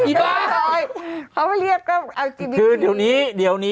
อีกร้อยเขาไม่เรียกก็อัลกีพีคือเดี๋ยวนี้เนี่ย